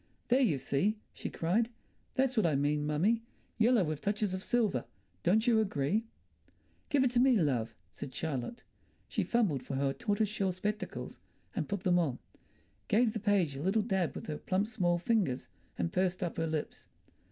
"There, you see," she cried. "That's what I mean, mummy. Yellow, with touches of silver. Don't you agree?" "Give it to me, love," said Charlotte. She fumbled for her tortoise shell spectacles and put them on, gave the page a little dab with her plump small fingers, and pursed up her lips.